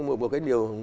một cái điều